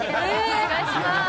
お願いします。